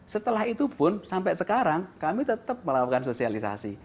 setelah itu pun sampai sekarang kami tetap melakukan sosialisasi